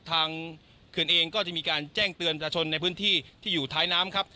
เขื่อนเองก็จะมีการแจ้งเตือนประชาชนในพื้นที่ที่อยู่ท้ายน้ำครับ